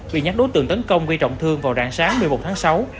bị nhóm đối tượng tấn công gây trọng thương vào rạng sáng một mươi một tháng sáu